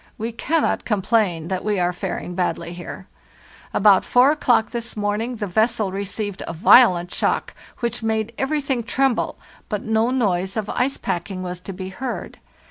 We cannot complain that we are faring badly here. About 4 o'clock this morning the vessel received a violent shock which made everything tremble, but no noise of ice packing was to be heard.